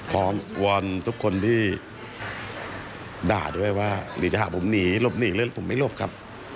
วอนทุกคนที่ด่าด้วยว่าเดี๋ยวจะหาผมหนีหลบหนีผมไม่หลบครับ